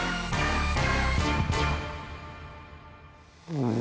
うん。